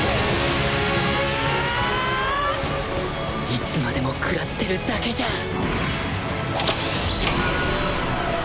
いつまでもくらってるだけじゃあな！